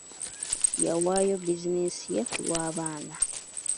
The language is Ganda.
Yawaayo bizinensi ye ku lw'abaana.